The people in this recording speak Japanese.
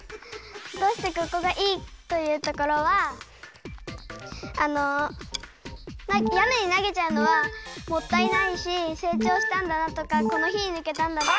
どうしてここがいいというところはあのやねになげちゃうのはもったいないしせいちょうしたんだなとかこのひにぬけたんだなとか。